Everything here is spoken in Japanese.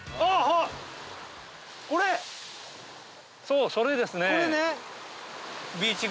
そうそれですね。